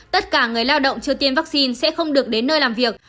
tất cả người lao động chưa tiêm vaccine sẽ không được đến nơi làm việc